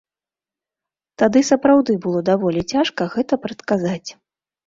Тады сапраўды было даволі цяжка гэта прадказаць.